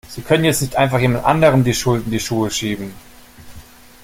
Sie können jetzt nicht einfach jemand anderem die Schuld in die Schuhe schieben!